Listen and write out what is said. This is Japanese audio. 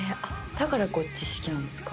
だからゴッチ式なんですか？